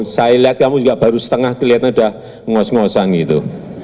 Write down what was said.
saya lihat kamu juga baru setengah kelihatan udah ngos ngosan gitu